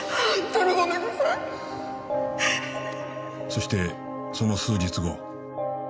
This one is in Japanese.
そしてその数日後。